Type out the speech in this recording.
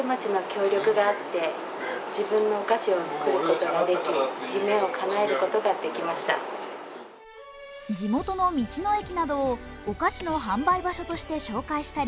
どんな夢かというと地元の道の駅などをお菓子の販売場所として紹介したり